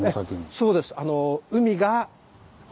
そうです。